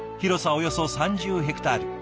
およそ３０ヘクタール。